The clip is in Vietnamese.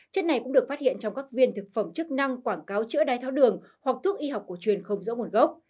chất này cũng được phát hiện trong các viên thực phẩm chức năng quảng cáo chữa đái tháo đường hoặc thuốc y học cổ truyền không rõ nguồn gốc